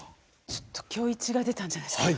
ちょっと今日イチが出たんじゃないですか。